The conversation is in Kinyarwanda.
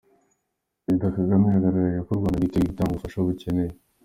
Perezida Kagame yagaragaje ko u Rwanda rwiteguye gutanga ubufasha bukenewe.